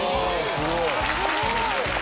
すごい。